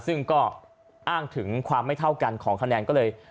ซึ่งก็อ้างถึงความไม่เท่ากันของคะแนนก็เลย